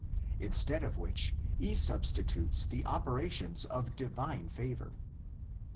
instead of which E substitutes the operations of divine favor (xxx.